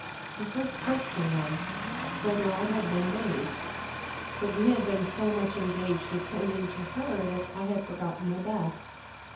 Her first question was, whether I had been bathed; but we had been so much engaged attending to her that I had forgotten my bath.